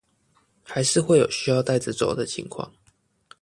還是會有需要帶著走的狀況